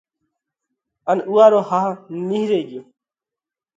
ان اُوئا رو ۿاه نِيهري ڳيو۔